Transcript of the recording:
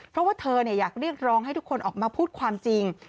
เพราะว่าเธออยากเรียกร้องให้ทุกคนออกมาพูดความจริง